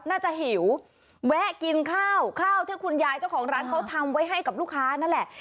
หิวแวะกินข้าวข้าวที่คุณยายเจ้าของร้านเขาทำไว้ให้กับลูกค้านั่นแหละ